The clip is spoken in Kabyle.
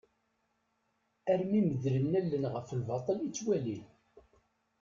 Armi medlen allen ɣef lbaṭel i ttwalin.